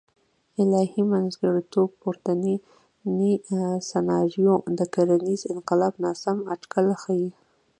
الهي منځګړیتوب پورتنۍ سناریو د کرنیز انقلاب ناسم اټکل ښیي.